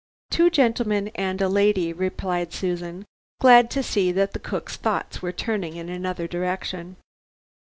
"Two gentlemen and a lady," replied Susan, glad to see that the cooks thoughts were turning in another direction.